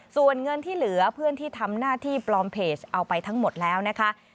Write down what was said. ส่วนเงินที่เหลือเพื่อนที่ทำหน้าที่ปลอมเพจเอาไปทั้งหมดแล้วนะคะ